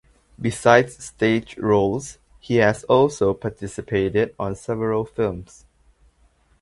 Besides stage roles he has also participated on several films.